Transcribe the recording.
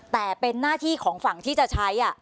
แต่เป็นหน้าที่ของฝั่งที่จะใช้